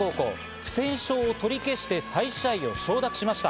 不戦勝を取り消して再試合を承諾しました。